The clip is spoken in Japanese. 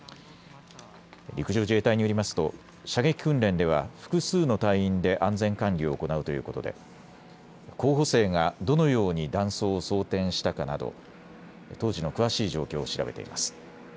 陸上自衛隊によりますと射撃訓練では複数の隊員で安全管理を行うということで候補生がどのように弾倉を装填したかなど当時の詳しい状況を調べています。